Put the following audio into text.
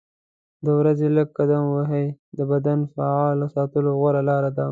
د ورځې لږ قدم وهل د بدن فعال ساتلو غوره لاره ده.